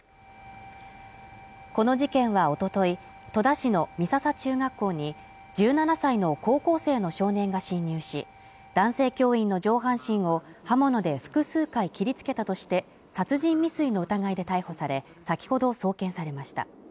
この事件は一昨日戸田市の美笹中学校に１７歳の高校生の少年が侵入し、男性教員の上半身を刃物で複数回切りつけたとして殺人未遂の疑いで逮捕され、先ほど送検されました。